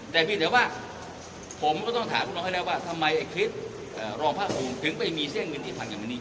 แต่เพียงแต่ว่าผมก็ต้องถามพวกน้องให้แล้วว่าทำไมไอ้คลิปรองพระภูมิถึงไปมีเส้นเงินที่พันกับวันนี้